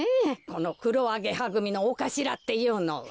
このくろアゲハぐみのおかしらっていうのは。